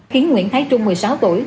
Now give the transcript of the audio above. khiến nguyễn thái trung một mươi sáu tuổi